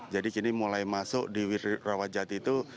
jadi kini mulai masuk di rawajati itu